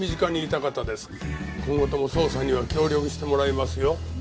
今後とも捜査には協力してもらいますよ。